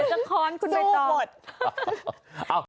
เดี๋ยวจะคล้อนคุณไปต่อสู้หมด